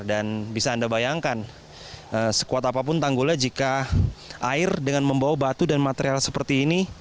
dan bisa anda bayangkan sekuat apapun tanggulnya jika air dengan membawa batu dan material seperti ini